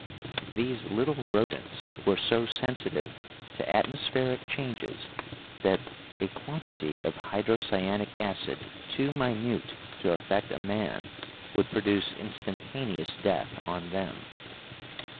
These little rodents were so sensitive to atmospheric changes that a quantity of hydrocyanic acid too minute to affect a man would produce instantaneous death on them.